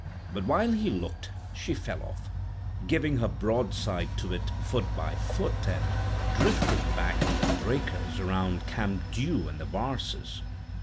But while he looked, she fell off, giving her broadside to it foot by foot, and drifting back on the breakers around Cam Du and the Varses.